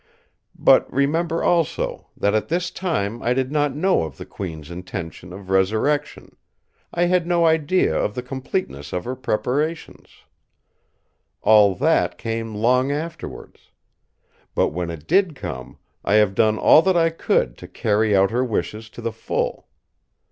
But, remember also, that at this time I did not know of the Queen's intention of resurrection; I had no idea of the completeness of her preparations. All that came long afterwards. But when it did come, I have done all that I could to carry out her wishes to the full.